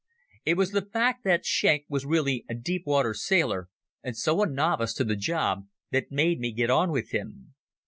It was the fact that Schenk was really a deep water sailor, and so a novice to the job, that made me get on with him.